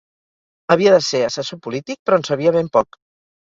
Havia de ser assessor polític però en sabia ben poc.